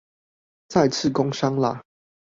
再次工商啦